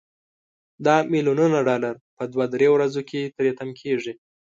دا ملیونونه ډالر په دوه درې ورځو کې تري تم کیږي.